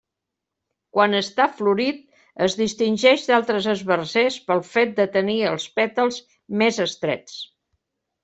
Quan està florit es distingeix d'altres esbarzers pel fet de tenir els pètals més estrets.